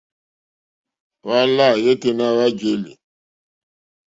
Hwá lâ yêténá hwá jēlì.